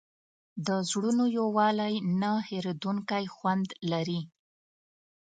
د زړونو یووالی یو نه هېرېدونکی خوند لري.